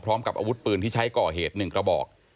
พร้อมกับอาวุธปืนที่ใช้ก่อเหตุ๑กระบอก